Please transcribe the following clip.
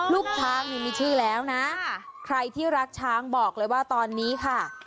ลูกช้างนี่มีชื่อแล้วนะใครที่รักช้างบอกเลยว่าตอนนี้ค่ะ